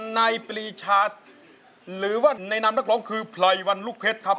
ในปรีชาหรือว่าในนามนักร้องคือพลอยวันลูกเพชรครับ